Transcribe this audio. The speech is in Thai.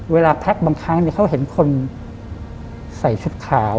เวลาพักบางครั้งเค้าเห็นคนใส่ชุดขาว